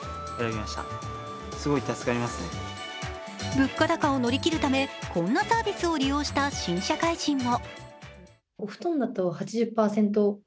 物価高を乗り切るためこんなサービスを利用した新社会人も。